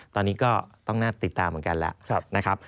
ตอนนี้ก็ต้องน่าติดตามเหมือนกันแล้วนะครับ